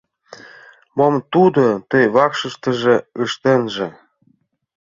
Мом тудо ты вакшыштыже ыштенже?